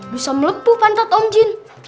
bisa melepuh pantau om jin